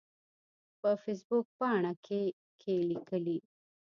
په فیسبوک پاڼه کې کې لیکلي